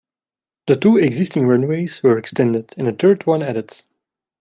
The two existing runways were extended and a third one added.